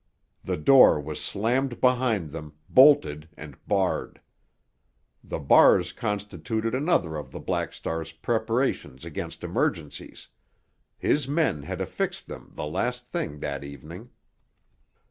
The door was slammed behind them, bolted, and barred. The bars constituted another of the Black Star's preparations against emergencies—his men had affixed them the last thing that evening.